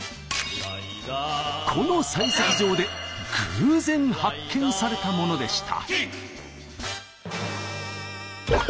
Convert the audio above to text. この採石場で偶然発見されたものでした。